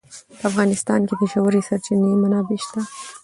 په افغانستان کې د ژورې سرچینې منابع شته.